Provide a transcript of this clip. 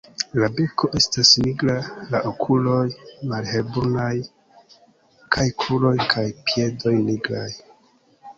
La beko estas nigra, la okuloj malhelbrunaj kaj kruroj kaj piedoj nigraj.